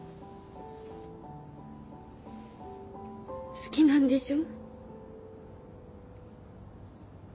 好きなんでしょ？